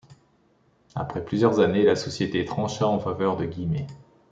Après plusieurs années, la Société trancha en faveur de Guimet.